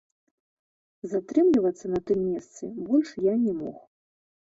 Затрымлівацца на тым месцы больш я не мог.